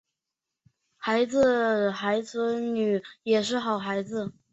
孙子孙女们也都是好孩子